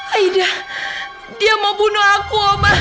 aida dia mau bunuh aku